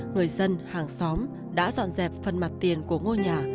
người dân hàng xóm đã dọn dẹp phần mặt tiền của ngôi nhà